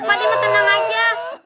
pak deng tenang aja